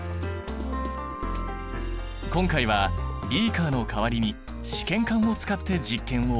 今回はビーカーの代わりに試験管を使って実験を行った。